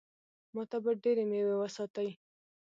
ما ته به ډېرې مېوې وساتي.